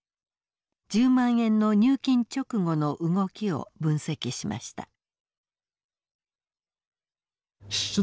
１０万円の入金直後の動きを分析しました。